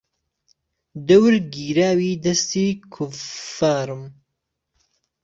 دهور گیراوی دهستی کوففارم